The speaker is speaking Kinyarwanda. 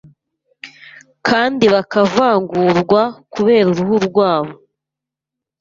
kandi bakavangurwa kubera uruhu rwabo.